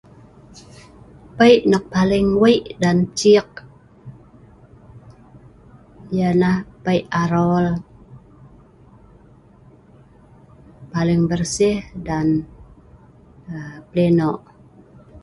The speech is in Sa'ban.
Pei' nok paling wei' dan cik ya nah Pei' arol, paling bersih dan pleno.